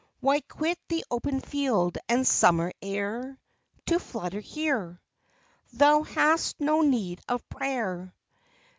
Why quit the open field and summer air To flutter here? Thou hast no need of prayer.